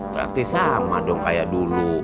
berarti sama dong kayak dulu